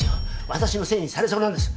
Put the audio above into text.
私のせいにされそうなんです。